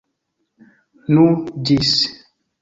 Nu, ĝis!